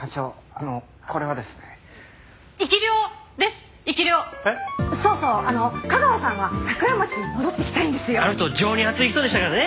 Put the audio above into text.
あの人情に厚い人でしたからね。